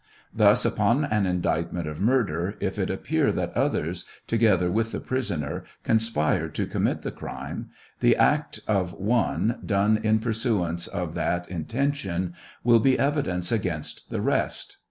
Thus upon an indictment of murder, if it appear that others, together with the prisoner, conspired to commit the crime, the act of one, done in pursuance of tha,t intention, will be evidence against the rest.